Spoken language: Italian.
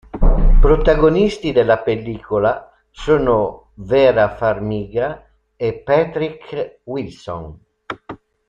Protagonisti della pellicola sono Vera Farmiga e Patrick Wilson.